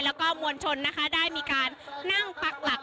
แล้วก็มวลชนนะคะได้มีการนั่งปักหลัก